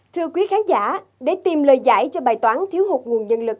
thưa quý khán giả để tìm lời giải cho bài toán thiếu hụt nguồn nhân lực